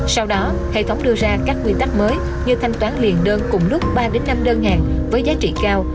sau đó hệ thống đưa ra các quy tắc mới như thanh toán liền đơn cùng lúc ba năm đơn hàng với giá trị cao